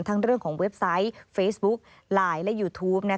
เรื่องของเว็บไซต์เฟซบุ๊กไลน์และยูทูป